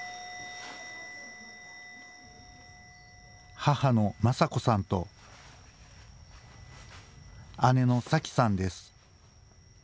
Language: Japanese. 母の昌子さんと姉の早希さんです。